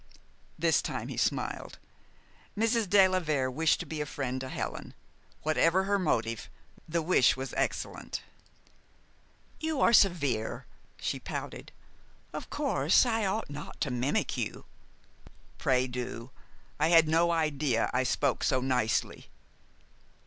This time he smiled. Mrs. de la Vere wished to be a friend to Helen. Whatsoever her motive, the wish was excellent. "You are severe," she pouted. "Of course I ought not to mimic you " "Pray do. I had no idea I spoke so nicely."